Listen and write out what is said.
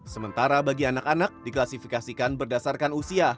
sementara bagi anak anak diklasifikasikan berdasarkan usia